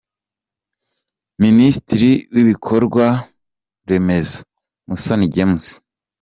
Minisitiri w’Ibikorwa remezo : Musoni James